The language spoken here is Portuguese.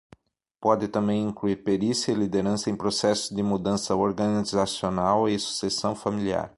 Pode também incluir perícia e liderança em processos de mudança organizacional e sucessão familiar.